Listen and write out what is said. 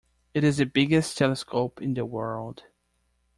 It is the biggest telescope in the world.